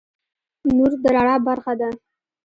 نور د رڼا برخه ده.